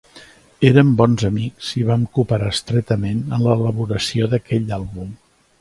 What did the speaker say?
Érem bons amics i vam cooperar estretament en l'elaboració d'aquell àlbum.